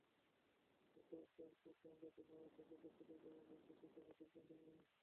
পাঠ্যপুস্তক বোর্ড সম্প্রতি সভা ডেকে প্রতিটি বইয়ের ভুলত্রুটি খোঁজার সিদ্ধান্ত নেয়।